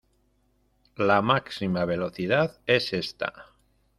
La máxima velocidad es esta.